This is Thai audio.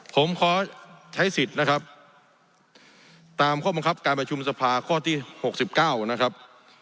ผมขอใช้สิทธิ์นะครับตามข้อบังคับการประชุมสภาข้อที่๖๙นะครับ